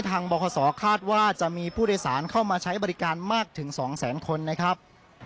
บคศคาดว่าจะมีผู้โดยสารเข้ามาใช้บริการมากถึง๒แสนคนนะครับ